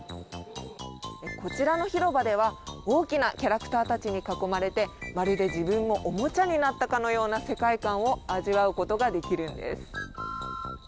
こちらの広場では大きなキャラクターたちに囲まれてまるで自分もおもちゃになったかのような世界観を味わうことができるんです。